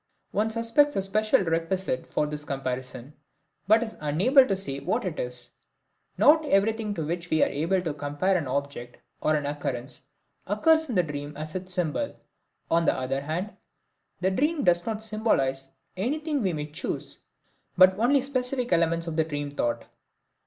One suspects a special prerequisite for this comparison, but is unable to say what it is. Not everything to which we are able to compare an object or an occurrence occurs in the dream as its symbol; on the other hand, the dream does not symbolize anything we may choose, but only specific elements of the dream thought.